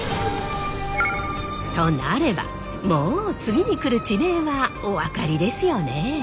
となればもう次に来る地名はお分かりですよね？